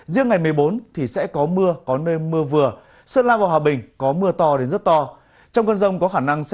riêng ngày một mươi bốn thì sẽ có mưa có nơi mưa vừa sơn la vào hòa bình có mưa to đến rất to